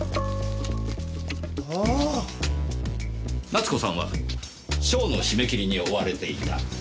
奈津子さんは賞の締め切りに追われていた。